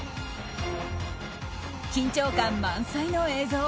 緊張感満載の映像。